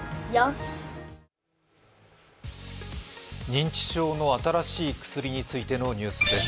認知症の新しい薬についてのニュースです。